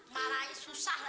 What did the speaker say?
marahnya susah lah